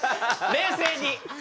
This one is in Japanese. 冷静に。